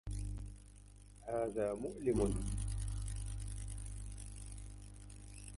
هذا مؤلم